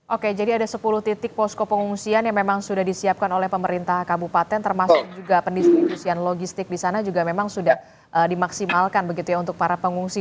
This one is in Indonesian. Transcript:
oke jadi ada sepuluh titik posko pengungsian yang memang sudah disiapkan oleh pemerintah kabupaten termasuk juga pendistribusian logistik di sana juga memang sudah dimaksimalkan begitu ya untuk para pengungsi